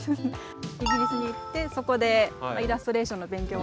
イギリスに行ってそこでイラストレーションの勉強をして。